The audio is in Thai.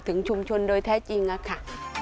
ถึงชุมชนโดยแท้จริงค่ะ